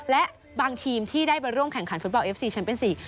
และบางทีมที่ได้มาร่วมแข่งขันฟุตบอลเอฟซีแชมป์เป็น๔